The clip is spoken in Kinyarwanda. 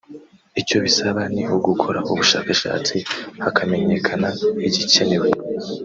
Icyo bisaba ni ugukora ubushakashatsi hakamenyekana igikenewe